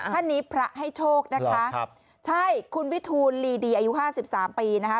ท่านนี้พระให้โชคนะคะใช่คุณวิทูลลีดีอายุ๕๓ปีนะคะ